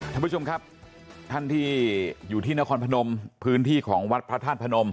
ท่านผู้ชมครับท่านที่อยู่ที่นครพนมพื้นที่ของวัดพระธาตุพนม